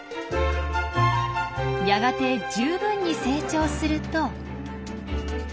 やがて十分に成長すると。